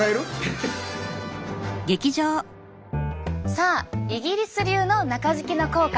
さあイギリス流の中敷きの効果